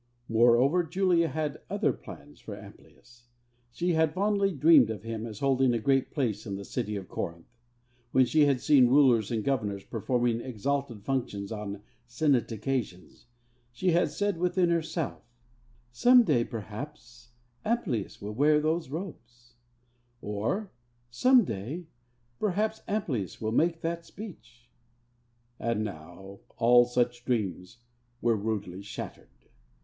Moreover, Julia had other plans for Amplius. She had fondly dreamed of him as holding a great place in the city of Corinth. When she had seen rulers and governors performing exalted functions on State occasions, she had said within herself, 'Some day, perhaps, Amplius will wear those robes,' or 'Some day, perhaps, Amplius will make that speech.' And now all such dreams were rudely shattered.